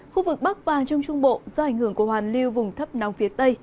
khu vực bắc và trung trung bộ do ảnh hưởng của hoàn lưu vùng thấp nóng phía tây